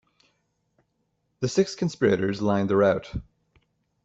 The six conspirators lined the route.